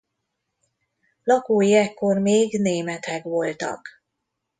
Lakói ekkor még németek voltak.